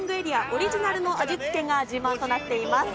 オリジナルの味付けが自慢となっています。